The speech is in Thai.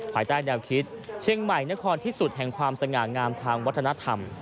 ภายใต้แนวคิดเชียงใหม่นครที่สุดแห่งความสง่างามทางวัฒนธรรม